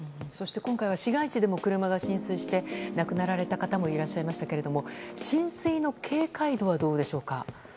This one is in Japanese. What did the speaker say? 今回は市街地でも車が浸水して亡くなられた方もいらっしゃいましたけども浸水の警戒度はどうでしょうか。